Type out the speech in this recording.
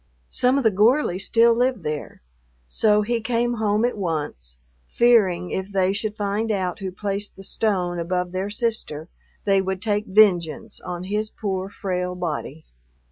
Some of the Gorleys still live there, so he came home at once, fearing if they should find out who placed the stone above their sister they would take vengeance on his poor, frail body.